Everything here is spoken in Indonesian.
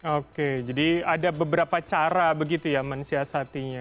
oke jadi ada beberapa cara begitu ya mensiasatinya